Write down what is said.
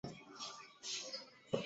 日高本线。